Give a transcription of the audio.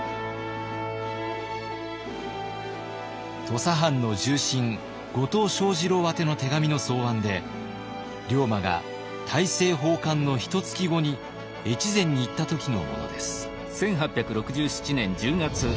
土佐藩の重臣後藤象二郎宛ての手紙の草案で龍馬が大政奉還のひとつき後に越前に行った時のものです。